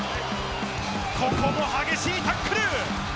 ここも激しいタックル！